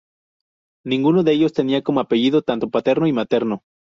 Ninguno de ellos tenía como apellido tanto paterno y materno.